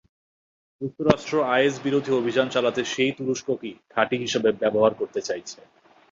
যুক্তরাষ্ট্র আইএসবিরোধী অভিযান চালাতে সেই তুরস্ককেই ঘাঁটি হিসেবে ব্যবহার করতে চাইছে।